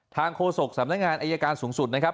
โฆษกสำนักงานอายการสูงสุดนะครับ